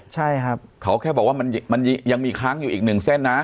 ใช่ครับเขาแค่บอกว่ามันยังมีค้างอยู่อีกหนึ่งเส้นนะ